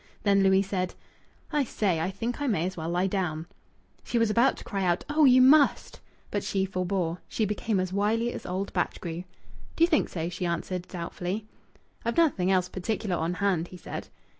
Then Louis said: "I say! I think I may as well lie down!" She was about to cry out, "Oh, you must!" But she forbore. She became as wily as old Batchgrew. "Do you think so?" she answered, doubtfully. "I've nothing else particular on hand," he said.